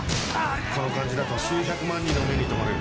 この感じだと数百万人の目に留まる。